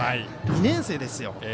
２年生ですよ。